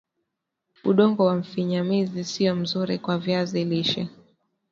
udongo wa mfinyamzi sio mzuri kwa viazi lishe